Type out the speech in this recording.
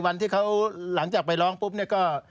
วันที่เขาหลังจากไปร้องปุ๊บเนี่ยก็